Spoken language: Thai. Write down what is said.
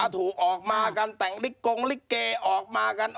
ถูกออกมากันแต่งลิกกงลิเกออกมากัน